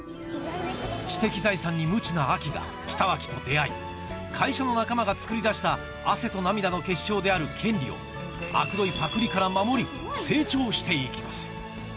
知的財産に無知な亜季が北脇と出会い会社の仲間が作り出した汗と涙の結晶である権利を悪どいパクリから守り成長していきます